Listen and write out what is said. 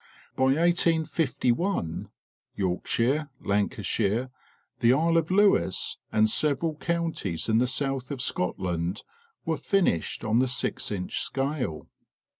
By 1851, Yorkshire, Lancashire, the Isle of Lewis, and several counties in the south of Scotland were finished on the six inch scale.